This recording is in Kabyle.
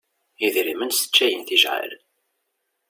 Idrimen sseččayen tijɛal.